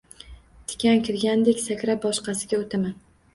Tikan kirgandek, sakrab boshqasiga o`taman